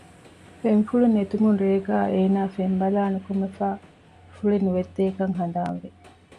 ފެންފުޅި ނެތުމުން ރޭގައި އޭނާ ފެން ބަލައި ނުކުމެފައި ފުޅި ނުވެއްދޭކަން ހަނދާންވި